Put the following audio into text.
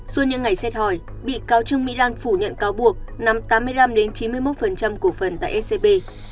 suốt những ngày xét hỏi bị cáo trương mỹ lan phủ nhận cáo buộc năm tám mươi năm chín mươi một cổ phần tại scb